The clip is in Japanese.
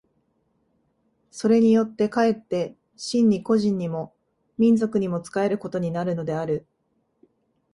それによって却って真に個人にも民族にも仕えることになるのである。